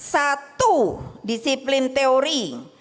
satu disiplin teori